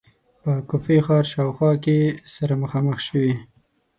په کوفې ښار شاوخوا کې سره مخامخ شوې.